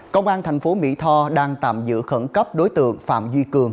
công an tp mỹ tho đang tạm giữ khẩn cấp đối tượng phạm duy cường